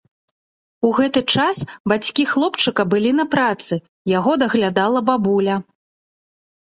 У гэты час бацькі хлопчыка былі на працы, яго даглядала бабуля.